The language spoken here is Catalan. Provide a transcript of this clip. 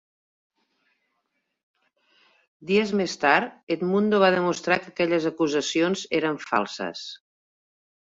Dies més tard, Edmundo va demostrar que aquelles acusacions eren falses.